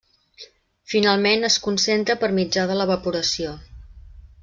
Finalment es concentra per mitjà de l'evaporació.